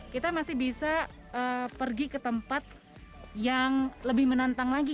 kita masih bisa pergi ke tempat yang lebih menantang lagi